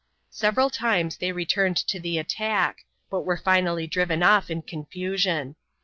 Several times they returned to the attack, but were finally driven off in confusion.